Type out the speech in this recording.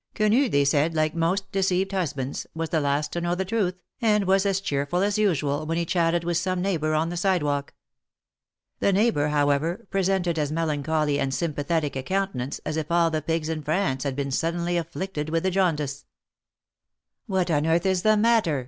Quenu, they said, like most deceived husbands, was the last to know the truth, and was as cheerful as usual, when he chatted with some neighbor on the sidewalk. The neighbor, however, presented as melancholy and sympa thetic a countenance as if all the pigs in France had been suddenly afflicted with the jaundice. ^'What on earth is the matter?"